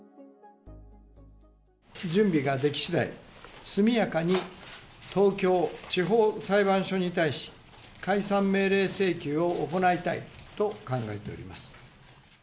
準備ができしだい、速やかに東京地方裁判所に対し、解散命令請求を行いたいと考えております。